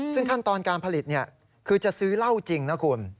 ซึ่งขั้นตอนการผลิตคือจะซื้อเหล้าจริงนะคุณ